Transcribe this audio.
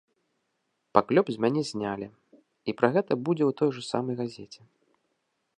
Паклёп з мяне знялі, і пра гэта будзе ў той жа самай газеце.